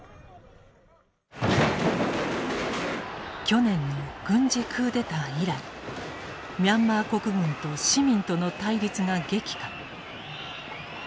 去年の軍事クーデター以来ミャンマー国軍と市民との対立が激化。